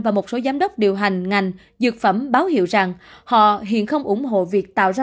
và một số giám đốc điều hành ngành dược phẩm báo hiệu rằng họ hiện không ủng hộ việc tạo ra